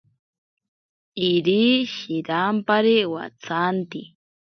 Iri shirampari watsanti.